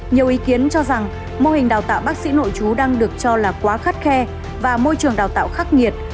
nhiều ý kiến cho rằng mô hình đào tạo bác sĩ nội chú đang được cho là quá khắt khe và môi trường đào tạo khắc nghiệt